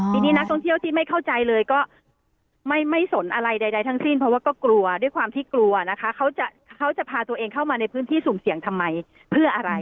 ทีนี้นักท่องเที่ยวที่ไม่เข้าใจเลยก็ไม่สนอะไรใดทั้งสิ้นเพราะว่าก็กลัวด้วยความที่กลัวนะคะเขาจะพาตัวเองเข้ามาในพื้นที่สุ่มเสี่ยงทำไมเพื่ออะไร